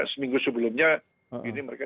seminggu sebelumnya ini mereka